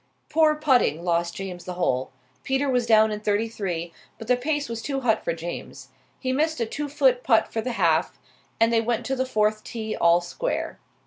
Poor putting lost James the hole. Peter was down in thirty three, but the pace was too hot for James. He missed a two foot putt for the half, and they went to the fourth tee all square.